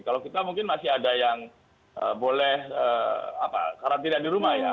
kalau kita mungkin masih ada yang boleh karantina di rumah ya